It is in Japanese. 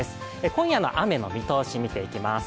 今夜の雨の見通しみていきます。